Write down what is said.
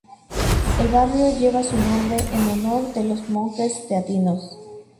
El barrio lleva su nombre en honor de los monjes teatinos.